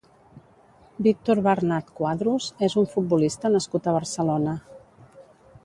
Víctor Bernat Cuadros és un futbolista nascut a Barcelona.